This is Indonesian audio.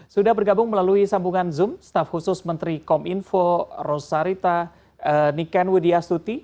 sudah bergabung melalui sambungan zoom staff khusus menteri kominfo rosarita niken widiastuti